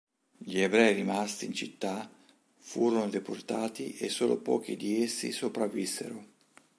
Gli ebrei rimasti in città furono deportati e solo pochi di essi sopravvissero.